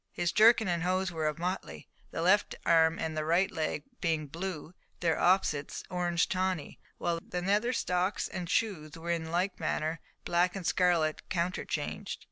His jerkin and hose were of motley, the left arm and right leg being blue, their opposites, orange tawny, while the nether stocks and shoes were in like manner black and scarlet counterchanged.